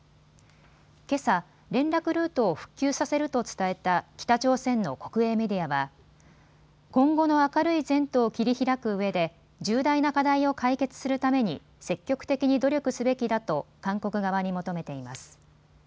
けさ、連絡ルートを復旧させると伝えた北朝鮮の国営メディアは今後の明るい前途を切り開くうえで重大な課題を解決するために積極的に努力すべきだと韓国側に求めています。